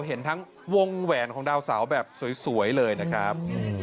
เห็นทั้งวงแหวนของดาวเสาแบบสวยเลยนะครับ